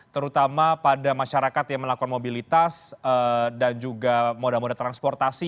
terutama pada masyarakat yang melakukan mobilitas dan juga moda moda transportasi